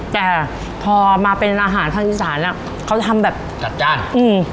แต่พอมาเป็นอาหารทางอีสานอ่ะเขาจะทำแบบจัดจ้านอืม